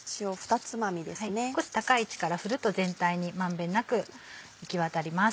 少し高い位置から振ると全体に満遍なく行き渡ります。